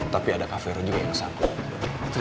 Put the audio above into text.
tapi ada kak fero juga yang kesal